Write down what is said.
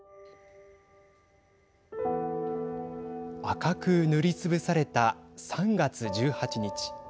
赤く塗りつぶされた３月１８日。